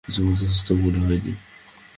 কিছুমাত্র অসুস্থ মনে হয় নি।